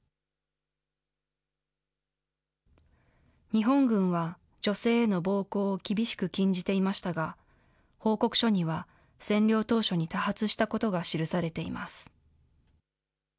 日本軍は女性への暴行を厳しく禁じていましたが、報告書には占領当初に多発したことが記されています。